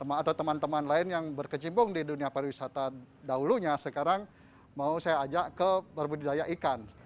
atau teman teman lain yang berkecimpung di dunia pariwisata dahulunya sekarang mau saya ajak ke berbudidaya ikan